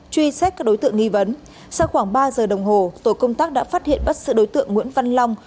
truy xét các đối tượng nghi vấn sau khoảng ba giờ đồng hồ tổ công tác đã phát hiện bắt sự đối tượng nguyễn văn long